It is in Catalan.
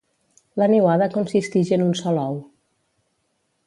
La niuada consistix en un sol ou.